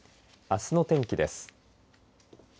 あすの天気です。